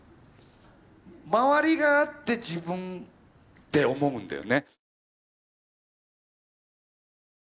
周りがあって自分って思うんだよね。